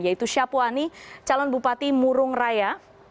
yaitu syapuani calon bupati murung raya